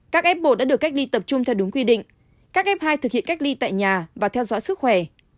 các f một đã được cách ly tập trung theo đúng quy định các f hai thực hiện cách ly tại nhà và theo dõi sức khỏe